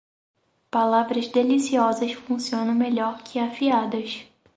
Palavras deliciosas funcionam melhor que afiadas.